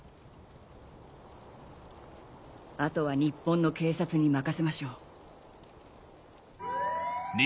あとは日本の警察に任せましょう。